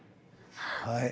はい。